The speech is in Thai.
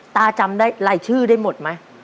จำได้รายชื่อได้หมดไหม